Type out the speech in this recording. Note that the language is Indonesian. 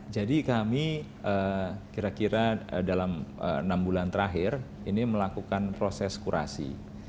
jadi kami kira kira dalam enam bulan terakhir ini melakukan proses kurasi